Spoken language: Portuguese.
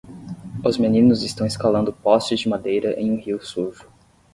Os meninos estão escalando postes de madeira em um rio sujo.